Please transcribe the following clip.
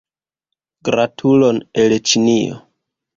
Gratulon el Ĉinio!